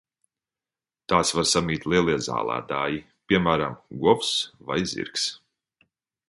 Tās var samīt lielie zālēdāji, piemēram, govs vai zirgs.